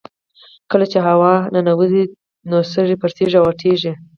کله چې هوا ننوځي نو سږي پړسیږي او غټیږي